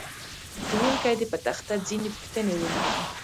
ښوونکی دې په تخته ځینې پوښتنې ولیکي.